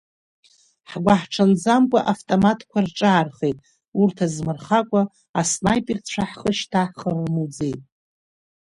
Ҳгәы ҳҽанӡамкәа автоматхқәа рҿаархеит, урҭ азмырхакәа аснаиперцәа ҳхы шьҭаҳхыр рмуӡеит.